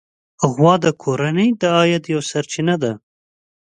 غوا د کورنۍ د عاید یوه سرچینه ده.